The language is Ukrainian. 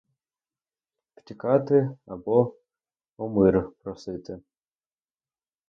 Втікати або — о мир просити.